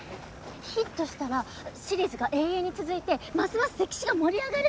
ヒットしたらシリーズが永遠に続いてますます関市が盛り上がるんじゃ。